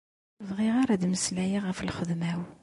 ur bɣiɣ ara ad meslayeɣ ɣef lxedma-w.